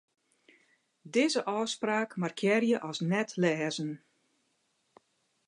Dizze ôfspraak markearje as net-lêzen.